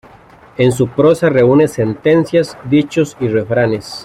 En su prosa reúne sentencias, dichos y refranes.